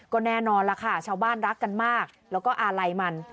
ก็แน่นอนล่ะค่ะชาวบ้านรักกันมากแล้วก็อาลัยมัน